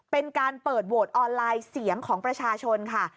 เป็นการเปิดโหวตออนไลน์เสียงของประชาชนค่ะ